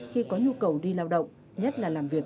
khi có nhu cầu đi lao động nhất là làm việc